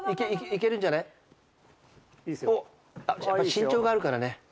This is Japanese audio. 身長があるからね。